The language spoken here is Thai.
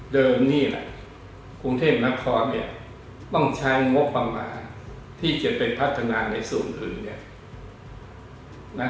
เดิมนี่คุณเทพนครต้องใช้งบประมาณที่จะเป็นพัฒนาในศูนย์อื่น